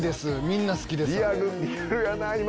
みんな好きです。